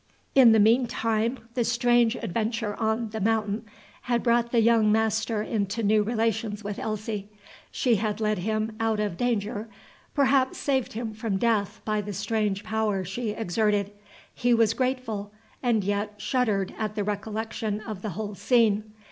In the mean time the strange adventure on The Mountain had brought the young master into new relations with Elsie. She had led him out of, danger; perhaps saved him from death by the strange power she exerted. He was grateful, and yet shuddered at the recollection of the whole scene.